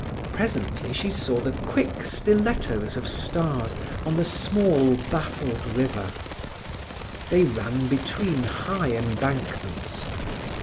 Presently she saw the quick stilettos of stars on the small, baffled river; they ran between high embankments.